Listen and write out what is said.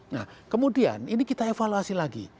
nah kemudian ini kita evaluasi lagi